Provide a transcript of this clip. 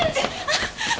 あっ！